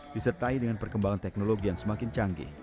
disertai dengan perkembangan teknologi yang semakin canggih